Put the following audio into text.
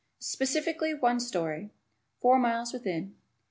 Specifically, one story, "Four Miles Within."